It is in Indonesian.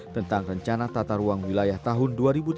tentang rencana tata ruang wilayah tahun dua ribu tujuh belas